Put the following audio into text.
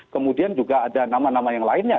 kemudian juga ada nama nama yang lainnya